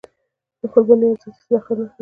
د قربانۍ ارزښت د صداقت نښه ده.